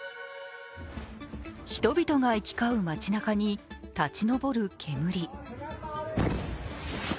人々が行き交う街なかに立ち上る煙。